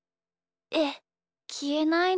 えっきえないの？